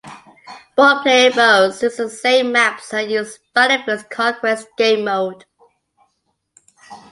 Both player modes use the same maps and use "Battlefield"s conquest game mode.